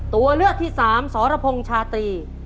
ตัวเลือกที่สามสรพงศ์ชาตรี